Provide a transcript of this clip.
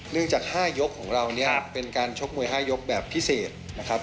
จาก๕ยกของเราเนี่ยเป็นการชกมวย๕ยกแบบพิเศษนะครับ